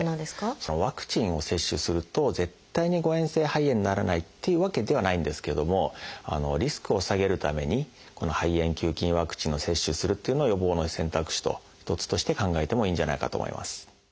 そのワクチンを接種すると絶対に誤えん性肺炎にならないっていうわけではないんですけどもリスクを下げるためにこの肺炎球菌ワクチンを接種するっていうのを予防の選択肢の一つとして考えてもいいんじゃないかと思います。